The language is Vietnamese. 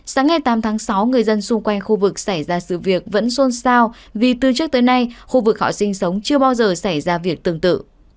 sáng ngày tám tháng sáu người dân xung quanh khu vực xảy ra sự việc vẫn xôn xao vì từ trước tới nay khu vực họ sinh sống chưa bao giờ xảy ra việc tương tự